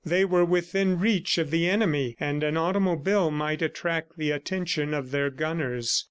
They were within reach of the enemy, and an automobile might attract the attention of their gunners.